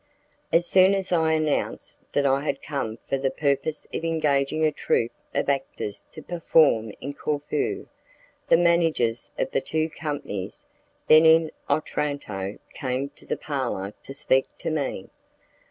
As soon as I announced that I had come for the purpose of engaging a troupe of actors to perform in Corfu, the managers of the two companies then in Otranto came to the parlour to speak to me.